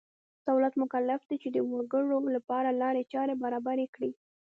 دولت مکلف دی چې د وګړو لپاره لارې چارې برابرې کړي.